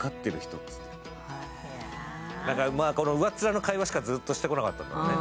上っ面の会話しかずっとしてこなかったんだね。